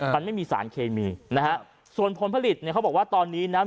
มันไม่มีสารเคมีนะฮะส่วนผลผลิตเนี่ยเขาบอกว่าตอนนี้นะ